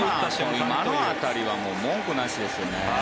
今の当たりは文句なしですよね。